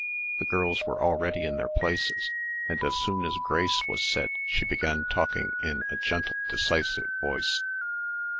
The girls were already in their places, and as soon as grace was said she began talking in a gentle decisive voice.